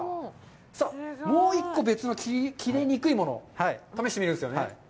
さあ、もう１個、別の切れにくいものを試してみるんですよね？